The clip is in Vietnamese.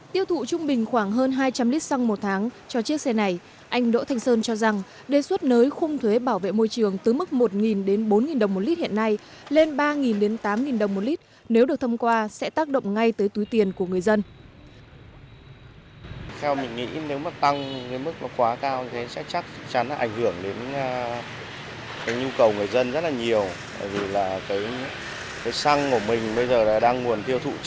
tiêu thụ trung bình khoảng hơn hai trăm linh lít xăng một tháng cho chiếc xe này anh đỗ thành sơn cho rằng đề xuất nới khung thuế bảo vệ môi trường từ mức một đến bốn đồng một lít hiện nay lên ba đến tám đồng một lít nếu được thâm qua sẽ tác động ngay tới túi tiền của người dân